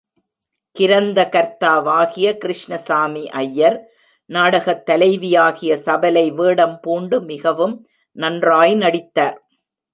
கிரந்தகர்த்தாவாகிய கிருஷ்ணசாமி ஐயர், நாடகத் தலைவியாகிய சபலை வேடம் பூண்டு, மிகவும் நன்றாய் நடித்தார்.